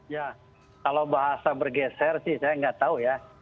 ya kalau bahasa bergeser sih saya nggak tahu ya